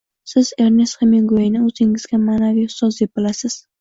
Siz Ernest Hemingueyni o‘zingizga ma’naviy ustoz deb bilasiz